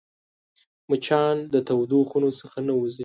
مچان د تودو خونو څخه نه وځي